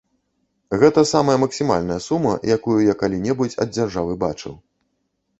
Гэта самая максімальная сума, якую я калі-небудзь ад дзяржавы бачыў.